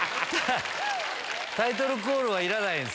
タイトルコールはいらないんです